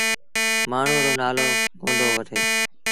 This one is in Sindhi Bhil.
مآڻهوٚݩ رو نآلو ڪوندو وٺي۔